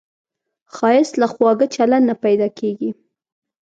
ښایست له خواږه چلند نه پیدا کېږي